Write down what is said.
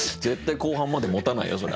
絶対後半までもたないよ